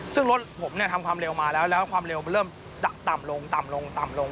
ซึ่งรถผมเนี่ยทำความเร็วมาแล้วแล้วความเร็วมันเริ่มต่ำลงต่ำลงต่ำลง